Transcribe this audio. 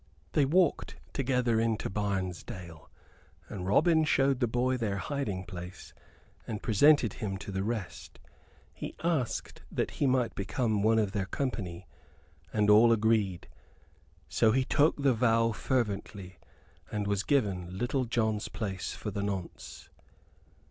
They walked together into Barnesdale, and Robin showed the boy their hiding place and presented him to the rest. He asked that he might become one of their company, and all agreed. So he took the vow fervently, and was given Little John's place for the nonce.